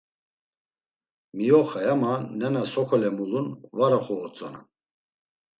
Miyoxay ama nena sokole mulun var oxovotzonam.